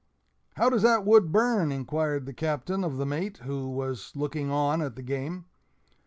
"How does that wood burn?" inquired the Captain of the mate, who was looking on at the game.